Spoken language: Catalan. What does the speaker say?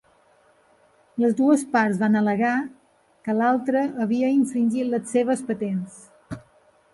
Les dues parts van al·legar que l'altra havia infringit les seves patents.